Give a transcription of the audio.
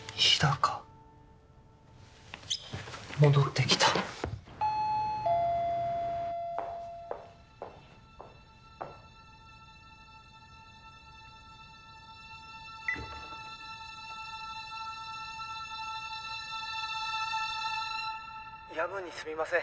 高戻ってきた夜分にすみません